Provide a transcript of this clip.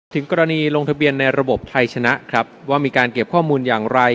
ถึงกรณีลงทะเบียนในระบบไทยชนะครับว่ามีการเก็บข้อมูลอย่างไร